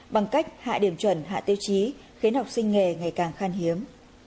bằng cách hạ điểm chuẩn hạ tiêu chí khiến học sinh nghề ngày càng khan hiếm